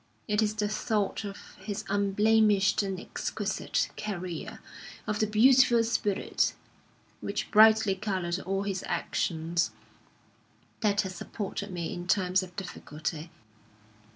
It is the thought of his unblemished and exquisite career, of the beautiful spirit which brightly coloured all his actions, that has supported me in times of difficulty.